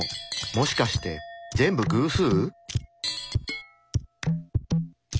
もしかして全部偶数？